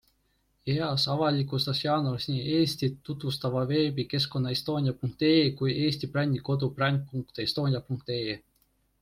EAS avalikustas jaanuaris nii Eestit tutvustava veebikeskkonna estonia.ee kui Eesti brändi kodu brand.estonia.ee.